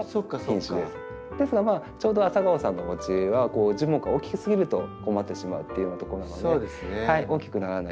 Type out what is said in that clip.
ですがちょうどａｓａｇａｏさんのおうちは樹木が大きすぎると困ってしまうというようなところなので大きくならない